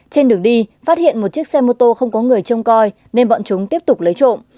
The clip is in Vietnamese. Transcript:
trên đường đi phát hiện một chiếc xe mô tô không có người trông coi nên bọn chúng tiếp tục lấy trộm